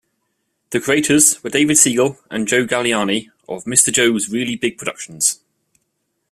The creators were David Siegel and Joe Galliani of Mr. Joe's Really Big Productions.